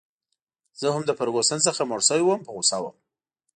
زه هم له فرګوسن څخه موړ شوی وم، په غوسه وم.